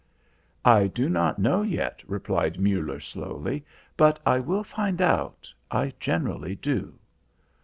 "I do not know yet," replied Muller slowly, "but I will find out, I generally do."